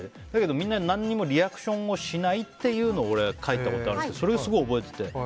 だけど、みんな何もリアクションをしないっていうのを俺、書いたことがありますがそれすごく覚えていて。